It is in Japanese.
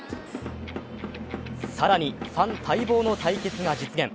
更に、ファン待望の対決が実現。